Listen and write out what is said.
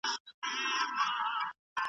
هم پردی سي له خپلوانو هم له ځانه